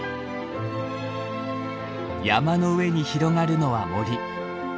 山の上に広がるのは森。